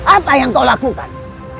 apa yang kau lakukan